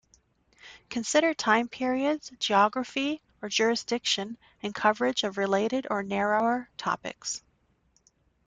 Consider time periods, geography or jurisdiction and coverage of related or narrower topics.